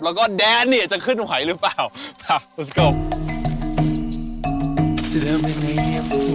แล้วก็แดดเนี่ยจะขึ้นไหวหรือเปล่าไปไปกัน